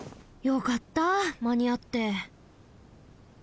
よかったまにあって。